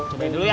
cobain dulu ya